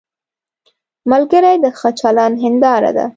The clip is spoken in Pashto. ملګری د ښه چلند هنداره ده